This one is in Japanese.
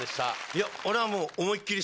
いや俺はもう。